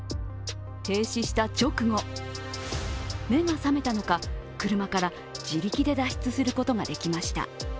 停止した直後、目が覚めたのか車から自力で脱出することができました。